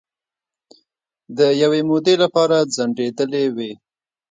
د یوې مودې لپاره ځنډیدېلې وې